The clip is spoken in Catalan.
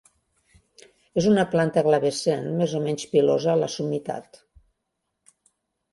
És una planta glabrescent més o menys pilosa a la summitat.